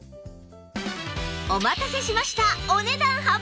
お待たせしました！